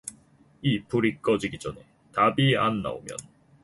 이 불이 꺼지기 전에 답이 안 나오면